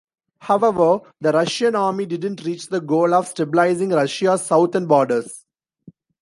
However, the Russian army didn't reach the goal of stabilizing Russia's southern borders.